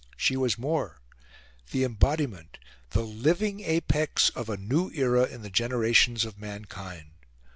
She was more the embodiment, the living apex of a new era in the generations of mankind.